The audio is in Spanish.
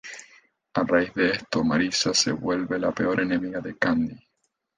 A raíz de esto, Marissa se vuelve la peor enemiga de Candy.